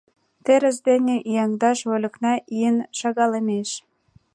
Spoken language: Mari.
Терыс дене ӱяҥдаш вольыкна ийын шагалемеш.